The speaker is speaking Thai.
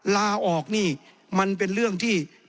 ลาออกนี่มันเป็นเรื่องที่